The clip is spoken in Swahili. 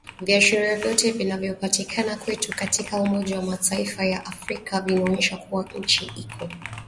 Viashiria vyote vinavyopatikana kwetu katika umoja wa Mataifa ya Afrika vinaonyesha kuwa nchi iko kwenye hatari kubwa alisema mjumbe wa Umoja wa Afrika